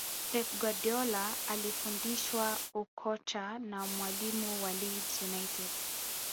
pep guardiola alifundishwa ukocha na mwalimu wa leeds united